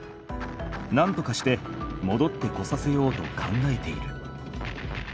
なんとかしてもどってこさせようと考えている。